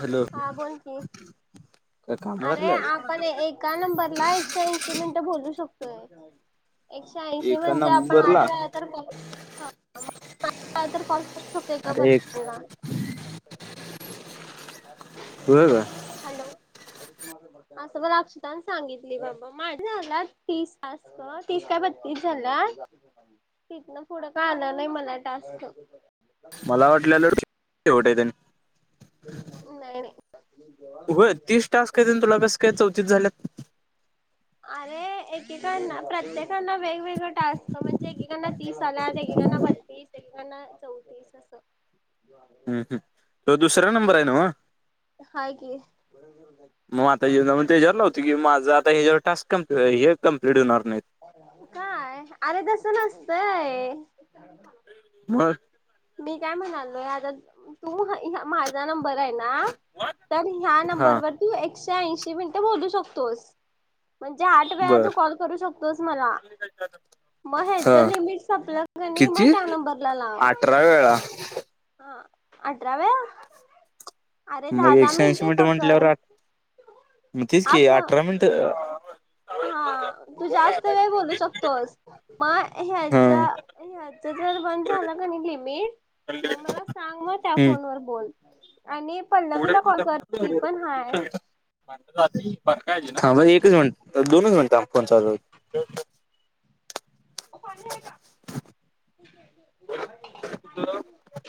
Hello बोल की काय काम अरे करल्यास आपण एका नंबरला एकशे ऐंशी मिनटं बोलू शकतोय एकशे ऐंशी एका म्हणजे आपण आठ नंबरला वेळा तर कॉल वे तर कॉल प [unintelligible] का बर अरे बरं. हॅलो असं म अक्षताने सांगितली बाबा माझ झाला तीस त टास्क तीस का बतीस झाल्यात तिथन पुडं काय आलं नाही मला टास्क. मला वाटलंलं. [unintelligible] तेवढ्या - - नाही, नाही. होय तीस टास्क येत्यात तुला कस काय चौथीस झाल्या त अरे एकेकांना, प्रत्येकना वेगवेगळ टास्क म्हणजे एकेकांना तीस आल्यात. एकेकाना बत्तीस, एकेकाना चौतीस असं हम्म, हम्. तो दुसरा नंबर हाय नव्हं? हाय की मग आता हे जाऊन त्याच्यावर लावतो की माझं आता हेच्यावर टास्क कम्प्लीट हे - - काय? अरे तस नसतयं. मग मी काय म्हणालोय. आता तू माझा नं - - बर हेना, तर ह्या हा नंबरवरती एक एकशे ऐंशी मिनिटं बोलू शकतोस. म्हणजे आठ वेळा बर तू कॉल करू शकतोस मला. महेज हा लीमिट संपल कनी म किती त्या नंबरला लाव. अठरा वेळा अठरावेळा- - मग एकशे ऐंशी मीटर म्हटल्यावर आठ म तच की, असं अठरा मिनट हा. तू जास्त वेळ बोलू शकतोस. मग हा ह्याच्या ह्या च बंद झाल कनी लिमीट मग मला सांग म त्या हम्म फोन वर बोलं. आणि पल्लवीला कॉल कर. ती पण हाय. थांब हं एकच मिनट, दोनच मिनिटं फोन चालू हाय. ओ पाणी हाय का? [unintelligible] [inaudible]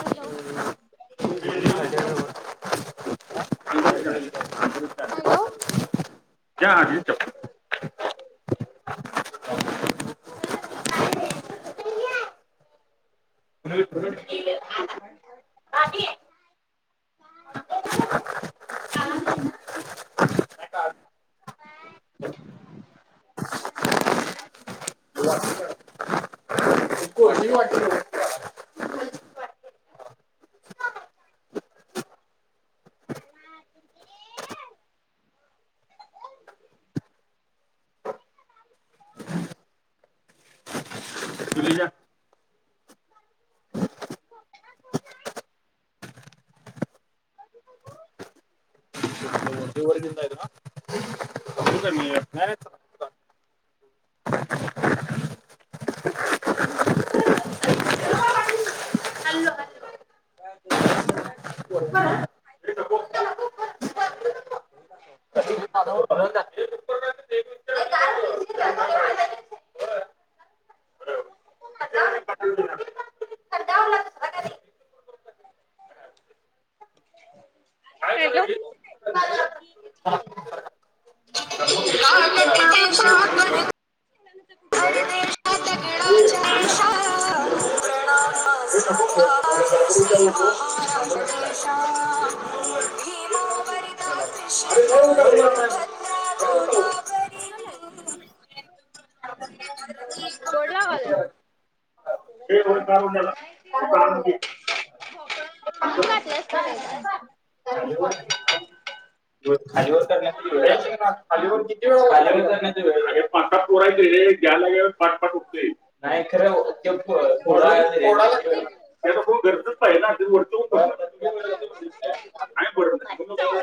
हॅलो. दे. हॅलो. त्या आधीच [inaudible] [unintelligible] [inaudible] [unintelligible] [inaudible] [inaudible] [inaudible] [unintelligible] वाटतं. तुली [unintelligible] कोण हाय. बघुबघु [inaudible] हे वर घेऊन जायचं नव्हं? घेऊ का मी? [unintelligible] काय तर पिटलं केला काय केलायं? [inaudible] [unintelligible] यई मोठं पण लागालयं. पिटलं पिटलं [unintelligible] हॅलो. [inaudible] जा. [unintelligible] काढु काई हाय एवढ खावा. [inaudible] ह [unintelligible] ह ह [unintelligible] झाले [unintelligible] हे हो कार झाला [unintelligible] मी घातले असत नाऽ त्यांतच टाका. पाखा पोरा तेे गेयला गेलो फट फट उठतेऽऽ नाही खरं ते घरच पाहिजे नाऽ त का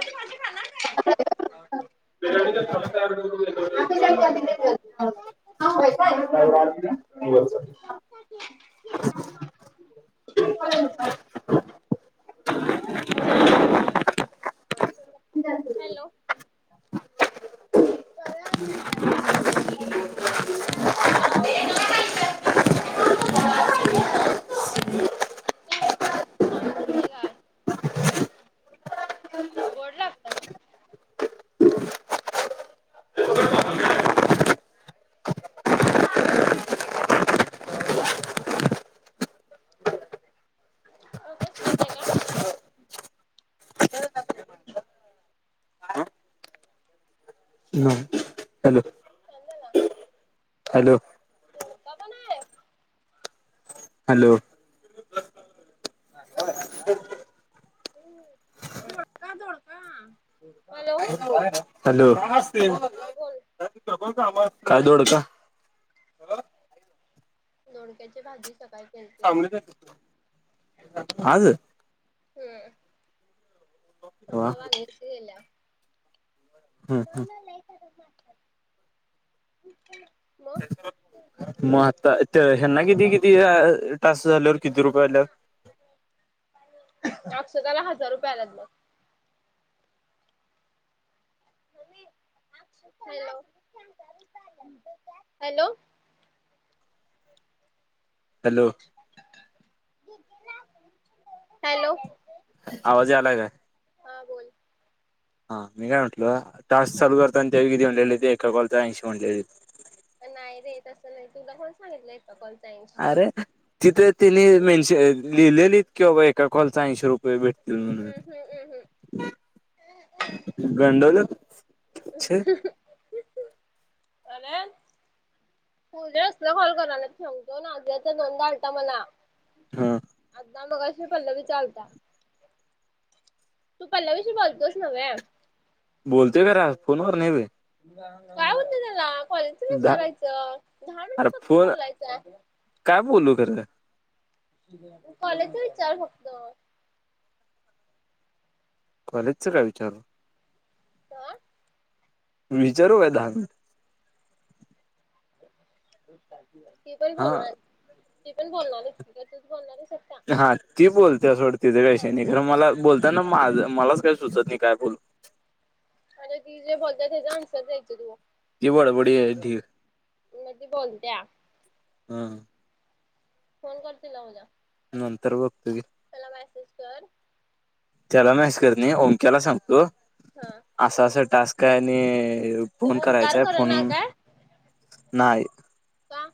[unintelligible] म [unintelligible] का [unintelligible] [inaudible] ल्याकडे [inaudible] हॅलो. चला म चला पा्ट [unintelligible] बोलालस तू. न रोज का [inaudible] गोड लागतं. अ कस सूचतय काय माहित. शांत जा ना हॅलो दोडका बणाया ये हॅलो. हा समता [inaudible] दोडका दोडका, हॅलोऽ हॅलो,, नमस्ऽऽ काय दोड काऽ दोडक्याची भाजी सकाळी,,, केलती आज. हम्म वा आता वाजवतच गेल्याऽ हम्म, अणा नाही मा [unintelligible] म आता,, तेऽ त्यांना, किती, किती गं टास्क झाल्यावर किती रुपये आल्यात. अक्षता ला हजार रुपय आल्यात बग. [inaudible] हॅलो. हॅलो. हॅलो. आवाज यालाय काय. हा बोल हां, मी काय म्हटलं, टास्क चालू ह करतान त्यावेळी किती म्हलेलेेते एका कॉलचा ऐशी म्हणलेलेत नाही रे तसं नाही तुला कोण सांगितलंय काऽऽ अरे, तिथे तिने मेनश लिहिलेलीत कि बाबा एका कॉलचा ऐंशी रुपये भेटऽ हम्म, हम्म, हम्म, हम्म गंडो अरेऽ‌ पुढे असलं कॉल करायला न सांगतो नाजीयाचा दोनदा आलता मला. हा आता मगाशी पल्लवीचा चालता. तू पलावी शी बोलतोस नव्हे. बोलतोय, खरं फोन वर नाही बाई. काय होतय त्याला? कॉलेजच जा, विचारायचं दहा मिनिटं अरे फक्त फोऽ बोलायचंय काय बोलू खरं? कॉलेजचं विचार फक्त कॉलेजचं काय विचारू हा विचारू काय दहा मिनिट ती पण बोलणार हा ती पण बोलणार येच की काय तूच बोलणार एक हा ती बोलते सोड तिज काय विषय हा नाही खरं मला बोलताना माझं मलाच काही सुचत नाही काय बोलू अरे ती जे बोलते त्याचा आन्सर द्यायच तू बडबडी आहे धीर म ती बोलत्या हं - फोन कर तिला उदया नंतर बघतो की, त्याला मेसेज कर त्याला मेसेज कर नाई ओमक्याला सांगतो हा असा असा टास्क आहे आणि तो फोन ओमकार करायचाय करना फोन काय नाही का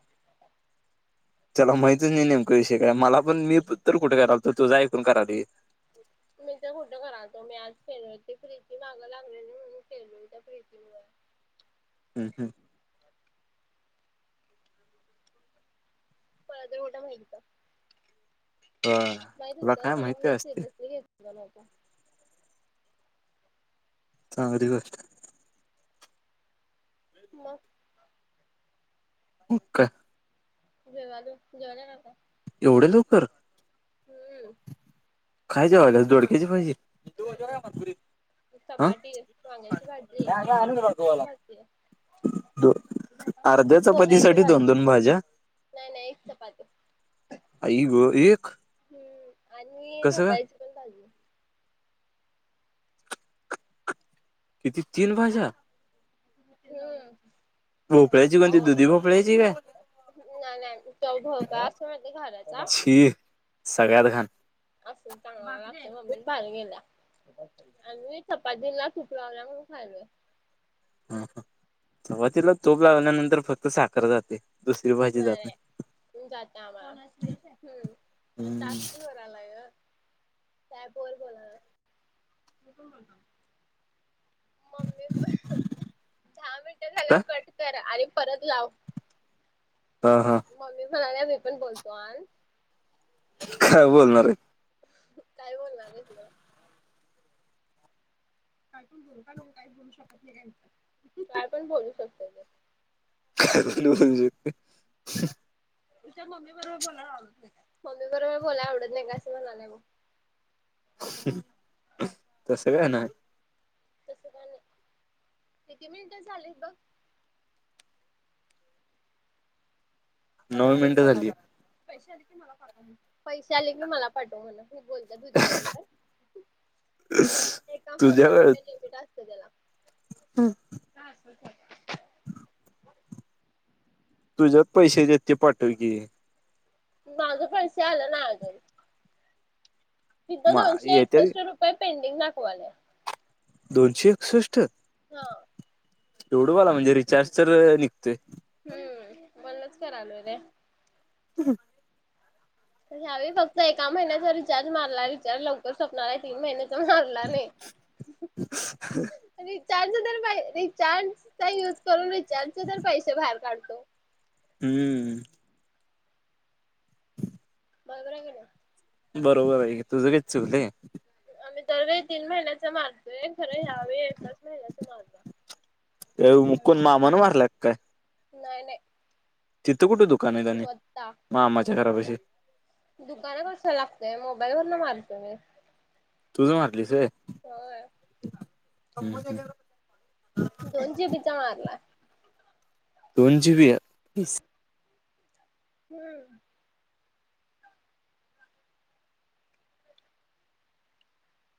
त्याला माहितच नाही नेमक विषय काय मला पण मी तर कुठ करायलतो तुझ ऐकून करायलोय. मी तर कुठं करालतो मी आज केलो ती प्रीती मागं लागलेली म्हणून केलो त्या प्रीतीमुळ [inaudible] हम्म हम्म मला तरी कुठ माहित होय होत माहित तुला काय होतं पण माहित आम्ही काय असते सिरियसली घेत ला नव्हता. चांगली गो म हो का जेवालो जेवले नव्हता. एवढ्या लवकर हम्म काय जेवायलास दोडक्याची भाजी हा चपाटी वांग्याची भाजरी दोडक्याची भाजी अर्ध्या भोपळ्याची चपातीसाठी दोन भाजी दोन भाज्या नाय नाय एक चपाती आई ग एक हम्म आणि कसं काय भोपळ्याची पण भाजी ये. किती तीन भाज्या हूं भोपळ्याची कोणती दुधी भोपळ्याची काय? नाय नाय तो भोपळा असतो माहितीये घराचा छी सगळ्यात घाण असूनं चांगला लागतोय मम्मीने भारी केला. आणि चपातीला तुप लावलाय म्हणुन खायलोय. हा हा चपातीला तुप लावल्यानंतर फक्त साखर जाते. दुसरी भाजी नाय जात नाय नाही. हं जाते आम्हाला हूं हम्म टास्क वर आलंय ग साहेब बोल बोलाला मम्मी पण दहा मिनटं काय झाल्यावर कट करा आणि परत लाव हा हा मम्मी म्हणाले मी पण बोलतो आण काय बोलणार ये. काय बोलणार हेस ग काय पण बोलू का? मी काही चं बोलू शकत नाही काय? पण बोलू शकतय. काय बोलू म्हणजे विचार मम्मी बरोबर बोलायला आवडत नाय काय मम्मी बरोबर बोलायला आवडत नाय का असं म्हणालय बघ तसं काय नाय. तसं का नाही किती मिनिटं झालेत बघ नऊ मिनिटं झालीय पैसे आले की मला पाठव पैसे आले की मला पाठव म्हणा तू बोलत तुझ्या बरोबर एका फोन तुझ्या मम्मी लिमट असत काय असत तुझ्यात पैसे देतचे पाटव की माझं पैसे आलं ना अजून तिथं म दोनशे येत्या एकसष्ट रुपये पेंडिंग दाखवाले दोनशे एकसष्ट एवढूवाला म्हणजे रिचार्ज तर निघतोय हम्म बोललच क आलोय रे ह ह फक्त एका महिन्याचा रिचार्ज मारला रिचार्ज लवकर स्वप्णार आहे तीन महिन्या मारला नाही अ चार्ज तर रिचार्ज का युज करून रिचार्ज तर पैसे बाहेर काढतो हम्म बरोबर आहे कने बरोबर आहे तुझं काय चुकलं आहे आम्ही दर वेळी तीन महिन्याच मारतोय खरं ह्यावे एकच महिन्याचा मारला एवकुून मामान मारला काय नाही नाही तिथं कुठे दुकान आहे त्यानी म मामाच्या घरापाशी दुकाना कसा लागतय मोबाईल वर न मारतो मी तूझ मारलीस हो सप दोन जीबीचा मारला दोन जीबी हम्म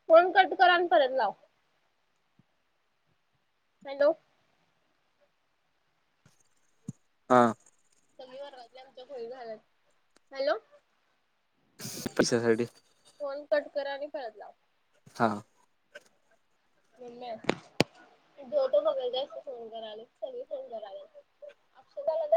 फोन कट करा आणि परत लाव हॅलो हा कमी वर्वातल्या आमच्या खळी झाालात हॅलो पैशासाठी फोन कट कर आणि परत लाव हा नाही झो तो बघय जासत फोन करायला सगळी फोन कराला अप्ला